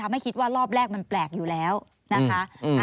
ไม่คิดว่ารอบแรกมันแปลกอยู่แล้วนะคะ